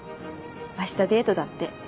明日デートだって。